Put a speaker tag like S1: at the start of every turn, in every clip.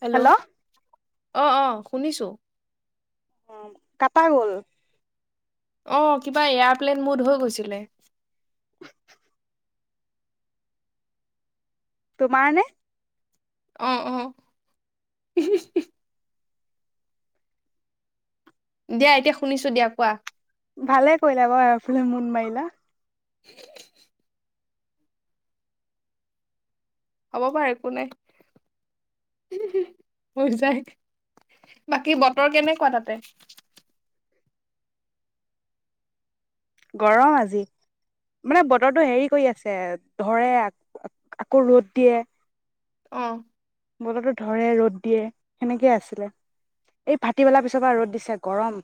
S1: Hello'- অ অ শুনিছোঁ।
S2: অ কাটা গ'ল।
S1: অহ কিবা এয়াৰপ্লেন মুোড হৈ গৈছিলে।
S2: তোমাৰ নে?
S1: আহ আহ। দিয়া এতিয়া শুনিছো দিয়া কোৱা?
S2: ভালে কৰিলা বাৰু এয়াৰ প্লেন মুড মাৰিলা।
S1: [inaudible] হ'ব পাৰে একো নাই, হৈ যায়। বাকী বতৰ কেনেকুৱা তাতে?
S2: গৰম আজি মানে, বতৰটো হেৰি কৰি আছে ধৰে আকৌ ৰ'দ দিয়ে।
S1: অহ।
S2: বতৰটো ধৰে ৰ'দ দিয়ে সেনেকেই আছিলে এই ভাটিবেলাৰ পিছৰ পৰা ৰ'দ দিছে গৰম।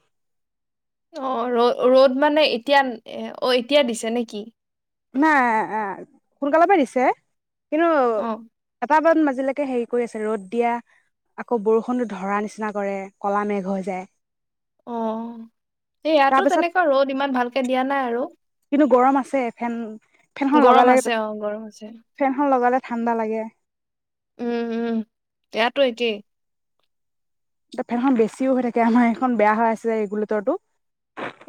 S1: অ ৰ ৰ'দ মানে এতিয়া, অ এতিয়া দিছে নে কি?
S2: নাই অ সোনকালৰ পৰা দিছে।। কিন্তু
S1: অ
S2: এটা মান।। এতিয়া লৈকে হেৰি কৰি আছে। ৰ'দ দিয়া আকৌ বৰষুণতো ধৰা নিচিনা কৰে কলা মেঘ হৈ যায়।
S1: অ সেই
S2: তাৰ
S1: ইয়াতো
S2: পিছত
S1: তেনেকা ৰ'দ ইমান ভালকে দিয়া নাই আৰু।।
S2: ন্তু গৰম আছে। ফেন ফেনখন
S1: গৰম
S2: লগালে,
S1: আছে অ গৰম আছে
S2: ফেনখন লগালে ঠাণ্ডা লাগে
S1: উম উম, ইয়াতো একেই।
S2: ফেনখন বেছিও হৈ থাকে আমাৰ এইখন বেয়া হৈ আছে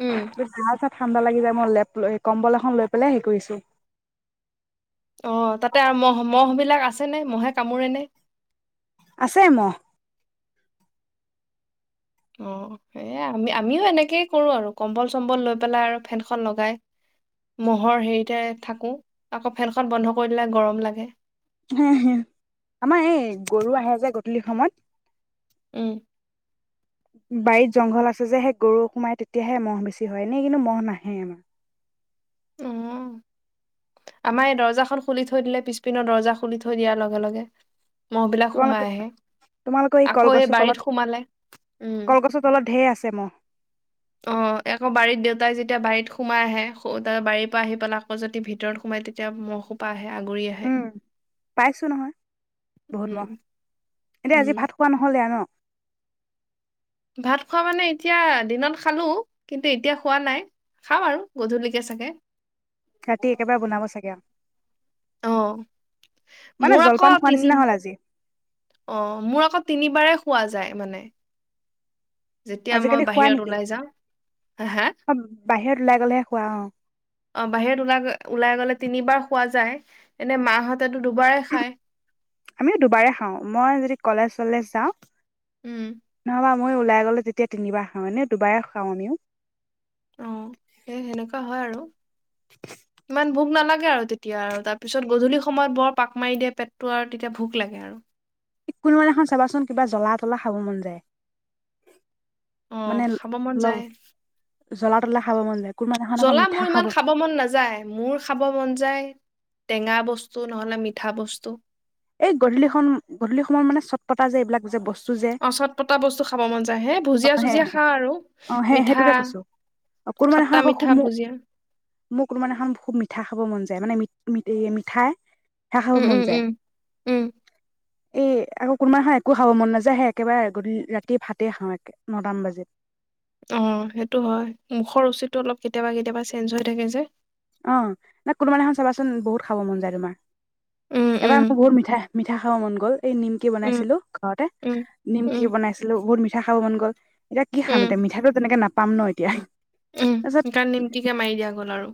S1: উম
S2: বাহ ঠাণ্ডা লাগি যায় মই লেপ কম্বল এখন লৈ পেলাই হে কৰিছো
S1: অ তাতে আৰু মহ মহ বিলাক আছে ফালে মহে কামোৰে নে?
S2: আছে মহ
S1: অ হেই আম আমিও এনেকেই কৰো আৰু কম্বল চম্বল লৈ পেলাই আৰু ফেনখন লগাই ম'হৰ হেৰিতে থাকো আকৌ ফেনখন বন্ধ কৰি দিলে গৰম লাগে
S2: হ হ আমাৰ এই গৰু আহে যে গধূলি সময়ত
S1: উম
S2: বাৰীত জংঘল আছে যে সেই গৰু সোমাই তেতিয়াহে মহ বেছি হয় এনেই কিন্তু মহ নাহে আমাৰ
S1: উম আমাৰ এই দৰ্জাখন খুলি থৈ দিলে পিছপিনৰ দৰ্জা খুলি থৈ দিয়াৰ লগে লগে মহ'বিলাক সোমাই
S2: তোমালোকৰ
S1: আহে।
S2: তোমালোকৰ এই
S1: আকৌ
S2: কলগছৰ
S1: বাৰীত
S2: তলত
S1: সোমালে উম,
S2: কলগছৰ তলত ঢেৰ আছে চমহ
S1: অ আকৌ বাৰীত দেউতাই যেতিয়া বাৰীত সোমাই আহে বাৰীৰ পৰা আহি পেলাই আকৌ যদি ভিতৰত সোমাই তেতিয়া মহ সোপা আহে আগুৰি আহে
S2: উম পাইছো নহয় বহুত
S1: উম,
S2: মহ এতিয়া
S1: উম।
S2: আজি ভাত খোৱা নহ'লে দে ন
S1: ভাত খোৱা মানে এতিয়া দিনত খালো কিন্তু এতিয়া খোৱা নাই খাওঁ আৰু গধূলিকে চাগে
S2: ৰাতি একেবাৰে বনাব চাগে আৰু
S1: অ
S2: মানে
S1: মোৰ আকৌ
S2: জলপান খোৱা
S1: তিনি
S2: নিচিনা হ'ল আজি
S1: অ মোৰ আকৌ তিনিবাৰে খোৱা যায় যায় মানে যেতিয়া মই
S2: আজিকালি খোৱা
S1: বাহিৰত
S2: নেকি
S1: ওলাই যাাম হা হা
S2: অ বাহিৰত ওলাই গ'লেহে খোৱা অ
S1: অ বাহিৰত ল ওলাই গলে তিনিবাৰ খোৱা যায় এনে মা হঁতেতো দুবাৰেই খায়
S2: আমিও দুবাৰে খাওঁ মই যদি কলেজ চলেজ যাওঁ
S1: উম
S2: নহবা মই ওলাই গ'লে তেতিয়া তিনিবাৰ খাওঁ এনে দুবাৰে খাওঁ আমিও
S1: অ সেই সেনেকোৱা হয় আৰু ইমান ভোক নালাগে আৰু তেতিয়া আৰু তাৰপিছত গধূলি সময়ত বৰ পাক মাৰি দিয়ে পেটটো আৰু তেতিয়া ভোক লাগে আৰু
S2: ই কোনোবা দিনাখন চাবাচোন কিবা জ্বলা তলা খাব মন যায়
S1: অহ
S2: মানে
S1: খাব মন
S2: ল
S1: যায়
S2: জ্বলা তলা খাব মন যায় কোনোবাদিনাখন আকৌ
S1: জ্বলা
S2: মিঠা
S1: মোৰ ইমান খাব মন নাযায় মোৰ খাব মন যায় টেঙা বস্তু নহ'লে মিঠা বস্তু
S2: এই গধূলিখন গধূলি সময়ত মানে চত পতা যে এইবিলাক যে বস্তু যে
S1: অ চট পতা বস্তু খাব মন যায় হে
S2: অ
S1: ভুজিয়া
S2: সে
S1: চুজিয়া খা আৰু
S2: অ সেই
S1: মিঠা
S2: সেইটোকে কৈছো কোনোবাদিনাখন
S1: খতটা
S2: আকৌ খুব
S1: মিঠা
S2: মোক
S1: ভুজিয়া
S2: মোৰ কোনোবাদিনাখন খুব মিঠা খাব মন মানে ম ম মিঠাই সেয়া খাব
S1: উম
S2: মন
S1: উম
S2: যায়
S1: উম উম
S2: এ আকৌ কোনোবা হ একো খাব মন নাযায়ে একেবাৰে গ ৰাতিয়ে ভাতে খাওঁ একে নটাম বাজিত
S1: অ সেইটো হয় মুখৰ ৰুচিটো অলপ কেতিয়াবা কেতিয়াবা চেঞ্জ হৈ থাকে যে
S2: অ ন কোনোবান এখন চাবাচোন বহুত খাব মন যায় তোমাৰ
S1: উম
S2: এবাৰ
S1: উম
S2: মোৰ বহুত মিঠাই মিঠা খাব মন গ'ল এই নিমকি
S1: উম
S2: বনাইছিলো ঘৰতে
S1: উম
S2: নিমকি
S1: উম
S2: বনাইছিলো বহুত মিঠা খাব মন গ'ল এতিয়া কি খাম
S1: উম
S2: এতিয়া মিঠাইটো তেনেকে নাপাম ন! এতিয়া
S1: উম সেইকাৰণে নিমটিকে মাৰি দিয়া গ'ল আৰু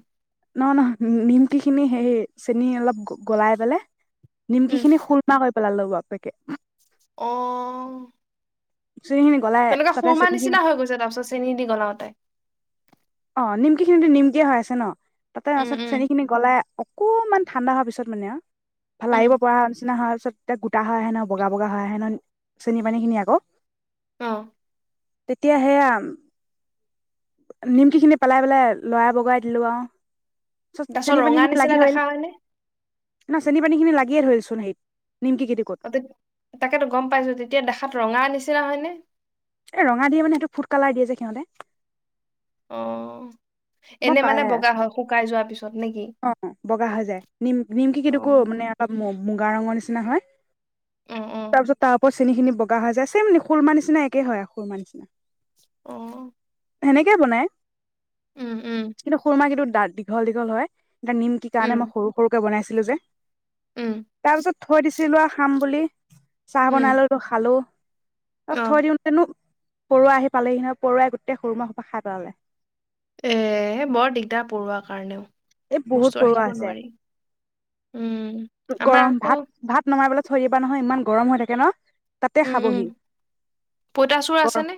S2: ন নহ নিমকি খিনি সেই চেনি অলপ গলাই পেলাই নিমকি
S1: উম
S2: খিনি খুলমা কৰি পেলালোঁ কে
S1: আহ।
S2: চেনি খিনি গলাই
S1: তেনেকুৱে
S2: তাতে
S1: সুৰমাৰ
S2: চেনি খিনি
S1: নিচিনা হৈ গৈছে তাৰ পিছত চেনি দি গলাওতোই
S2: অ নিমকি খিনিতো নিমকিয় হৈ আছে ন তাতে
S1: উম
S2: পাছত
S1: উম
S2: চেনি খিনি গলাই অকণমান ঠাণ্ডা হোৱাৰ পিছত মানে ভাল
S1: উম
S2: আহিব পৰা নিচিনা সাজ তেতিয়া গোটা হয় আহে ন বগা বগা হয় আহে ন চেনী পানী খিনি আকৌ
S1: অ
S2: এতিয়াহেয়া নিমকিখিনি পেলাই পেলাই লৰাই বগাই দিলো আৰু চ
S1: তাৰপিছত
S2: চেনী
S1: ৰঙা
S2: পানীখিনি লাগি
S1: নিচিনা
S2: ধৰিল
S1: দেখা হয়নে
S2: ন চেনী পানী খিনি লাগিয়ে ধৰি চোন সেইত
S1: অ তাকেতো গম পাইছো তেতিয়া দেখাত ৰঙা আনিছে ন হয়নে
S2: এ ৰঙা দিয়ে মানে সেইটো ফুড কালাৰ দিয়ে যে সিহঁতে
S1: অ
S2: মই
S1: এনে
S2: ক
S1: মানে বগা হয় শুকাই যোৱাৰ পিছত নেকি?
S2: অ বগা হৈ যায় নিম নিমকি
S1: অ
S2: কিন্তু কো [inaudible] মানে। মুগা ৰঙৰ নিচিনা হয়
S1: অ অ
S2: তাৰ পিছত তাৰ- চেনী খিনি বগা হৈ যায় চমে খুৰমা নিচিনা একে হয় আ খুৰমাৰ নিচিনা
S1: আহ
S2: সেনেকে বনাই কিন্তু সুৰমা কিন্তু। দীঘল দীঘল হয় এটা নিম কি কাৰণে
S1: উম
S2: মই সৰু সৰুকে বনাইছো ছিল যে
S1: উম
S2: তাৰপিছত থৰি দি লোৱা খাম বুলি চাহ
S1: উম
S2: বনালো, খালো। বচ
S1: অ
S2: থৈ দিও উননো পৰুৱা আহি পালেহি নহয়। পৰুৱাই গোটেই সৰু মাহ সোপা খাই পেলালে।
S1: এ বৰ দিগদাৰ পৰুৱ কাৰণেও।
S2: এই বহুত
S1: বস্তু
S2: পৰুৱা
S1: ৰাখিব
S2: আছে।
S1: নোৱাৰি উম আমাৰ
S2: গৰম
S1: আকৌ
S2: ভাত ভাত নমাবলৈ থৈ দিবা নহয় ইমান গৰম হৈ থাকে ন? তাতে
S1: উম উম,
S2: খাবহি
S1: পইতাচোৰা আছেনে?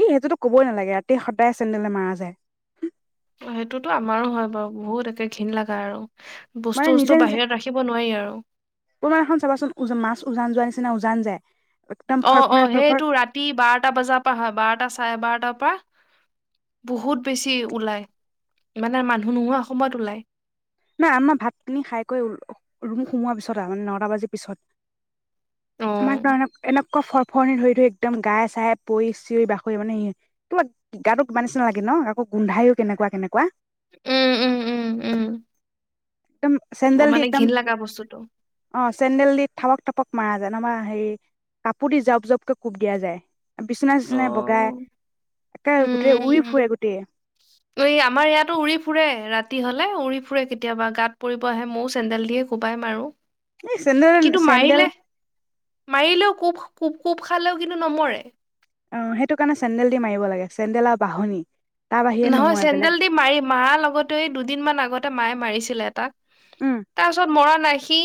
S2: ই সেইটোতো ক'বই নালাগে, ৰাতিয় সদায় চেণ্ডলে মাৰা যায়।
S1: সেইটোতো আমাৰো হয় বাৰু বহুত একে ঘিণ লগা আৰু, বস্তু
S2: মানে
S1: চস্তু
S2: নিজে নিজে
S1: বাহিৰত ৰাখিব নোৱাৰি আৰু
S2: তোমাৰ এখন চাবাচোন মাছ উজান যোৱাৰ নিচিনা উজান যায়। একদম
S1: অ' অ'
S2: ফৰফৰাই ফৰফৰ
S1: সেইটো ৰাতি বাৰটা বজাৰ পৰা হয়। বাৰটা চাৰে বাৰটা তাৰপা? বহুত বেছি ওলাই, মানে মানুহ নোহোৱা অসমত ওলায়।
S2: নাই আমাৰ ভাতখিনি খাই কৰি ৰুম সোমোৱাৰ পিছত আৰু মানে নটা বাজিৰ
S1: অ
S2: পিছত আমাৰ কাৰনে আকৌ ফৰফৰনি ধৰি ধৰি একদম গাই চাই পৰি চিঞৰি বাখৰি মানে স তোমাক গাটো কিবা নিচিনা লাগে ন? আকৌ গোন্ধাইও আকৌ কেনেকুৱা কেনেকুৱা
S1: উম উম উম উম
S2: একদম,
S1: বৰ
S2: চেণ্ডেল দি
S1: মানে
S2: একদম,
S1: ঘিণ লগা বস্তুটো
S2: অ' চেণ্ডেল দি থাবক তপক মাৰা যায়। নাইবা কাপোৰ দি জপ জপকে কোব দিয়া যায়। বিচনা
S1: অ
S2: চিচনা বগাই, একে গোটেই উৰি
S1: উম
S2: ফুৰে গোটেই।
S1: নাই, উৰি ফুৰে কেতিয়াবা গাত পৰিব আহে, ময়ো চেন্দেল দিয়ে কোবাই মাৰো।
S2: এই চেণ্ডেল
S1: কিন্তু
S2: চেণ্ডেল
S1: মাৰিলে মাৰিলেও কোব কোব কোব খালেও কিন্তু নমৰে?
S2: অ' সেইটো কাৰণে চেণ্ডেল দি মাৰিব লাগে চেণ্ডেল আৰু বাহনি। তাৰ বাহিৰে
S1: নহয়,
S2: নোমোৱাই বেলেগ
S1: চেন্দেল দি মাৰি মৰাৰ লগতে দুদিন মান আগতে মায়ে মাৰিছিলে এটা
S2: উম
S1: তাৰপিছত মৰা পাসি।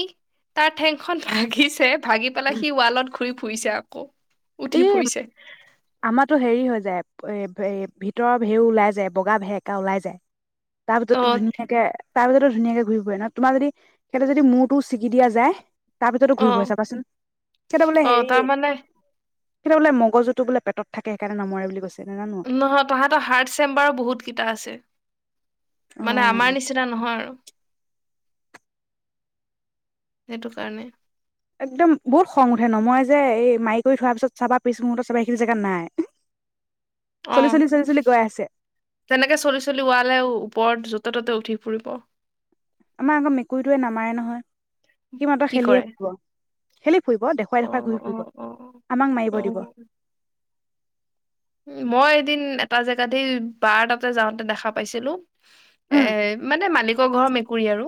S1: তাৰ ঠেং খন ভাগিছে ভাগি পেলাই সি ৱালত ঘূৰি ফুৰিছে কি?
S2: ই আমাতো হেৰি হৈ যায় এ হেৰ ভিতৰৰ ভেউও ওলাই যায়, বগা ভেৰেকা ওলাই যায। তাৰ
S1: অ
S2: ভিতৰতো ধুনীয়াকে তাৰপিছতেো ধুনীয়াকে ঘূৰি ফুৰে ন? তোমাৰ যদি তেনেকে মূৰটো চিঙি দিয়া যায় তাৰপিছতো
S1: অ
S2: ঘূৰি ফুৰা চাবাচোন, সিঁহতে বোলে
S1: অ
S2: হেৰি
S1: তাৰমানে
S2: সিহঁতৰ বোলে, মগজুটো বোলে পেতত থাকে, সেইকাৰণে নমৰে বুলি কৈছে। নাজানো
S1: নহয়, তাহাতৰ হাৰ্ড চেম্বাৰ বহুত কেইটা আছে। মানে
S2: অ',
S1: আমাৰ নিচিনা নহয় আৰু। সেইটো কাৰণে।
S2: একদম বহুত খং উঠে নমৰে যে, এই মাৰি কৰি থোৱাৰ পিছত চাবা পিছ মুহুৰৰ্তত চাবা সেইখিনি জেগাত নাই।
S1: অ,
S2: চলি চলি চলি চলি গৈ আছে
S1: তেনেকে চলি চলি ওৱালে ও ওপৰত ত ততে উঠি ফুৰিব।
S2: আমাৰ আকৌ মেকুৰীটোৱে নামাৰে নহয়। সি মাত্ৰ
S1: কি
S2: খেলিহে
S1: কৰে
S2: হেল্ল'। ফুৰিব, দেখুৱাই
S1: অ
S2: দেখুৱাই ঘুৰি
S1: অ
S2: ফুৰিব,
S1: অ
S2: আমাক
S1: অ
S2: মাৰিব দিব।
S1: উ মই এদিন এটা জেগাত হেই, বাৰ তাতে যাওঁতে দেখা পাইছিলো। এ,
S2: উম,
S1: মানে মালিকৰ ঘৰ মেক কুৰী আৰু,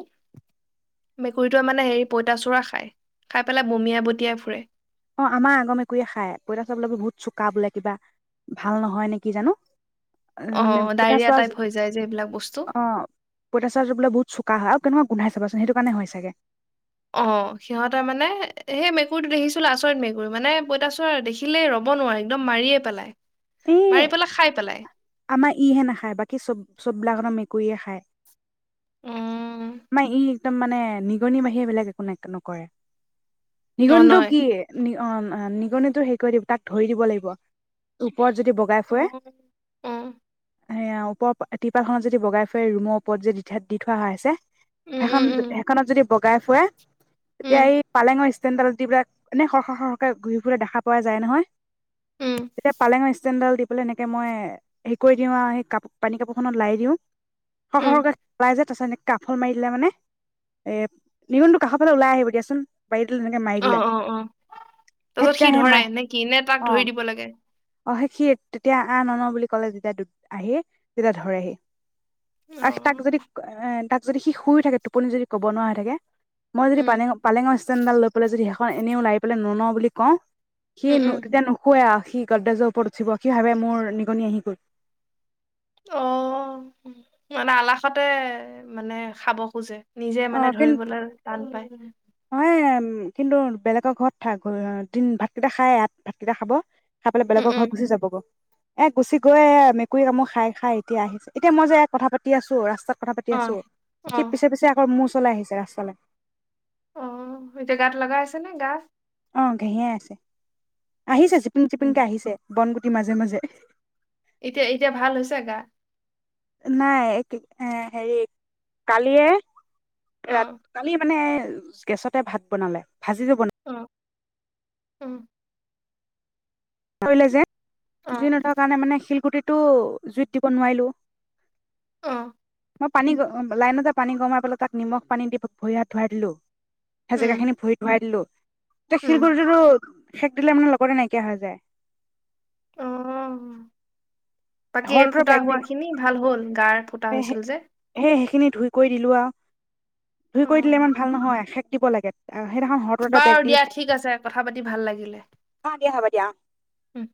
S1: মেকুৰীটোৱে মানে হেৰি পইতাচোৰা খাই, খাই পেলাই বমিয়াই বটিয়াই ফুৰে।
S2: অ, আমাৰ আগ মেকুৰীয়ে খাই, পইঁতাচোৰা বহুত চোকা বোলে কিবা, ভাল নহয় নে কি জানো অ
S1: অ
S2: উম,
S1: ডায়েৰিয়া
S2: পইতাচোৰা
S1: টাইপ হৈ যায় যে এইবিলাক বস্তু
S2: অ, পইতাচোৰাটো বোলে বহুত চোকা হয়, আৰু কেনোআব গোন্ধাই চাবাচোন, সেইটো কাৰণে হয় চাগে।
S1: অ, সিহঁতৰ মানে, হেই মেকুৰীটো দেখিছিলো আচৰিত মেকুৰী, মানে পইতাচোৰা দেখিলেই ৰ'ব নোৱাৰো, একদম মাৰিয়ে পেলাই।
S2: এই
S1: মাৰি পেলাই, খাই পেলাই।
S2: আমাৰ ইহে নাখায়, বাকী চব-চব বিলাকহত মেকুৰীয়ে খায়।
S1: উম
S2: মা ই একদম মানে নিগনি বাহিৰে বেলেগ একো নে নকৰে। নিগনিটো কি? নি অ এম নিগনিতো হে কৰি দিব তাক ধৰি দিব লাগিব। পলত যদি বগাই ফুৰে
S1: অ।
S2: হেয়া, ওপৰ প তিপাল খনত যদি বগাই ফুৰে, ৰুমৰ ওপৰত যে দি দি থোৱা হয় আছে। হেখন,
S1: উম উম
S2: হেইখনত যদি বগাই ফুৰে। এতিয়া
S1: উম
S2: এই পালেঙ ইচ এনেই স-স সকে ঘূৰি ফুইলে দেখা পোৱা যায় নহয়।
S1: উম
S2: এতিয়া পালেঙ ষ্টেন ডাল দি বোলে এনেক মই হে কৰি দিও আৰু, সেই কাপ পানী কাপোৰখনত লাই দিও। সৰ
S1: উম
S2: সৰকৈ নে কাফল মাৰি দিলে মানে, এ নিগনটো কাষৰ ফালে ওলাই আহিব দিয়াচোন। বাৰীডাল এনেকে মাৰি
S1: অ
S2: দিলে
S1: অ অ
S2: সেই
S1: তাৰপিছত
S2: তেতিয়া
S1: সি
S2: সেই
S1: ধৰে
S2: মাই
S1: নে কি নে তাক
S2: অ
S1: ধৰি দিব লাগে?
S2: অ সে সি তেতিয়া আ মাৰ মাৰ বুলি ক'লে যেতিয়া দু--আহি তেতিয়া ধৰেহি।
S1: অ
S2: অহ তাক যদি--এ তাক যদি সি শুই থাকে, টোপনিত যদি ক'ব নোৱাৰা হৈ থাকে মই যদি
S1: উম
S2: পালেঙৰ পালেঙৰ ষ্টে ষ্টেনডাল লৈ পেলাই যদি সেইখন এনেও লাৰি পেলাই নলওঁ বুলি কওঁ। সি
S1: উম
S2: নু
S1: উম
S2: তেতিয়া নুশুৱে সি গদ্ৰেজৰ ওপৰত উঠিব সি ভাবে মোৰ নিগনি আহি হয় [unintelligible]
S1: অ--মানে আলাসতে মানে, খাব খোজে। নিজে
S2: অ
S1: মানে
S2: কিন
S1: ধৰিবলৈ টান পায়।
S2: হয় কিন্তু বেলেগৰ ঘৰত থাক অ দিন ভাতকেইটা খায় আত ভাতকেইটা খাব। খাই পেলাই
S1: উম
S2: বেলেগৰ
S1: উম
S2: ঘৰত গুচি যাব গৈ। এ গুচি গৈ মেকুৰী কামুৰ খাই খাই এতিয়া আহিছে। এতিয়া মই যে কথা পাতি আছোঁ ৰাস্তাত কথা
S1: অ
S2: পাতি আছোঁ,
S1: অ
S2: সি পিছে পিছে আকৌ মোৰ ও ওচৰলৈ আহিছে ৰাস্তালৈ।
S1: অ এতিয়া গাত লগাই আছে নে? গাত
S2: অ ঘেঁহিয়াই আছে। আহিছে জিপিন
S1: উম।
S2: জিপিনকে আহিছে। বন গুটি মাজে, মাজে
S1: এতিয়া-এতিয়া ভাল হৈছে গা?
S2: নাই, এক এ হেৰি কালিয়ে ৰাত,
S1: অ
S2: কালি মানে গেছতে ভাত বনালে। ভাজি
S1: অ, অ।
S2: কৰিলে যে। জুই
S1: অ
S2: নথকা কাৰণে মানে শিল গুটিটো জুইত দিব নোৱাৰিলোঁ।
S1: অঁ।
S2: মই পানী অ লাইনতে পানী গৰম কৰি পেলাই তাক নিমখ পানী দি ভৰি হাত ধুৱাই দিলোঁ। সেই
S1: উম
S2: জেগা খিনিত ভৰি ধুৱাই দিলোঁ। এই
S1: উম
S2: শিলগুটি টো শেক দিলে মানে লগতে নাইকিয়া হৈ যায়।
S1: অঁ', বাকী এই
S2: হৰদৰ
S1: ফুটা
S2: বেগ দি
S1: হোৱা খিনি ভাল হ'ল, গাৰ ফুটা
S2: সেই
S1: হৈছিল যে?
S2: সেইখিনি ধুই কৰি দিলোঁ আৰু। ধুই
S1: অ
S2: কৰি দিলে ইমান ভাল নহয় এখেত। দিব লাগে। সেইদিনাখন হৰদৰ এটা বেগ
S1: বাৰু
S2: দি
S1: দিয়া ঠিক আছে কথা পাতি ভাল লাগিলে
S2: অ দিয়া হ'ব দিয়া অ
S1: উম।